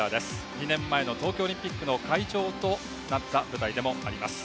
２年前の東京オリンピックの会場となった舞台でもあります。